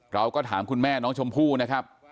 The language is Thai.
เราก็ถามคุณแม่น้องชมพู่นะครับ